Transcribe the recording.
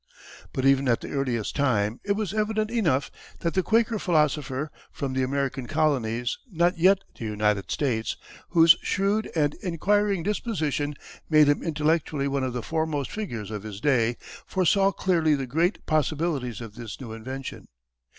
] But even at the earlier time it was evident enough that the Quaker philosopher, from the American Colonies, not yet the United States, whose shrewd and inquiring disposition made him intellectually one of the foremost figures of his day, foresaw clearly the great possibilities of this new invention.